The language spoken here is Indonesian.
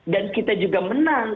dan kita juga menang